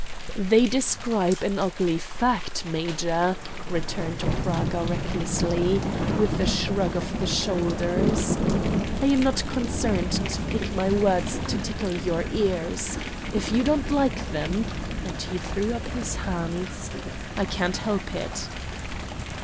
"They describe an ugly fact, major," returned Praga recklessly, with a shrug of the shoulders. "I am not concerned to pick my words to tickle your ears. If you don't like them" and he threw up his hands "I can't help it."